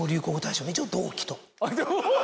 同期！